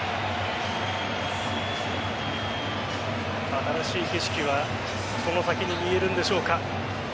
新しい景色はその先に見えるんでしょうか。